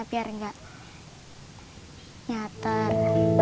biar tidak nyatar